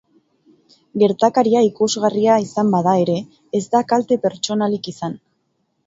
Gertakaria ikusgarria izan bada ere, ez da kalte pertsonalik izan.